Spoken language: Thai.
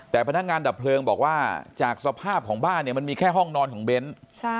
แต่พนักงานดับเพลิงบอกว่าจากสภาพของบ้านเนี่ยมันมีแค่ห้องนอนของเบ้น